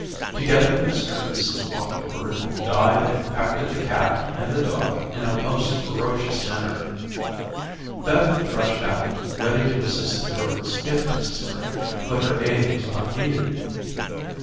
Together Mr. and Mrs. Mocking Bird dived and pecked at the cat and the dog in a most ferocious manner. Beth rushed out, ready to assist the birds, if necessary, but her aid was not needed.